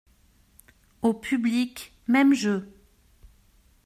Au public, même jeu.